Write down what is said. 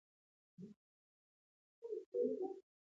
د نورو په توپیر کومه کلا او دروازه نه لري.